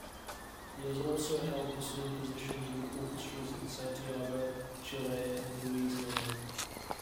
He has also held bassoon positions with orchestras in Santiago, Chile and Louisiana.